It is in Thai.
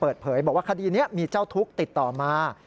เปิดเผยบอกว่าคดีนี้มีเจ้าทุกข์ติดต่อมา